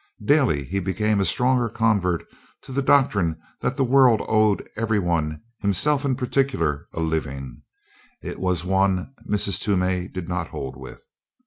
Daily he became a stronger convert to the doctrine that the world owed every one himself in particular a living. It was one Mrs. Toomey did not hold with.